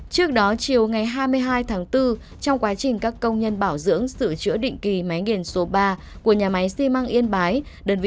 xin chào các bạn